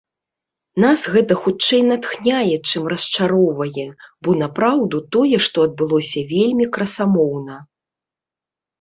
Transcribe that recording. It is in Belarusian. Нас гэта хутчэй натхняе, чым расчароўвае, бо, напраўду, тое, што адбылося вельмі красамоўна.